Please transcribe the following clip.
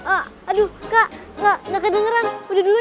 aduh kak gak kedengeran udah dulu ya